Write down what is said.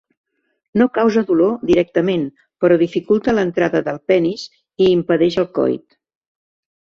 No causa dolor directament, però dificulta l'entrada del penis i impedeix el coit.